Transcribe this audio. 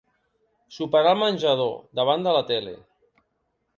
Soparà al menjador, davant de la tele.